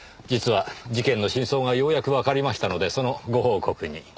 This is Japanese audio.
実は事件の真相がようやくわかりましたのでそのご報告に。